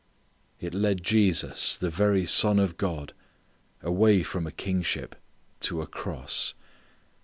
It led Jesus the very Son of God, away from a kingship to a cross.